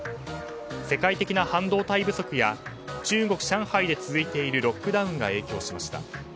世界的な半導体不足や中国・上海で続いているロックダウンが影響しました。